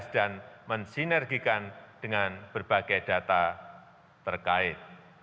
dan mensinergikan dengan berbagai data terkait